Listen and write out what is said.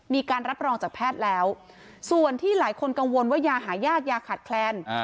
มีการรับรองจากแพทย์แล้วส่วนที่หลายคนกังวลว่ายาหายากยาขาดแคลน